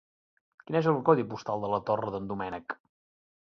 Quin és el codi postal de la Torre d'en Doménec?